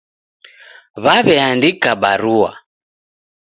Waw'eandika barua